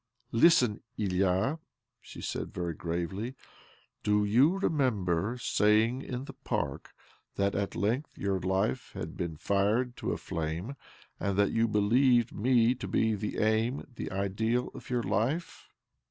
" Listen, Ilya," she said very gravely. "Do you remember saying in the park that at length your life had been fired to flame, and that you believed me to be the aim, the ideal, of your life?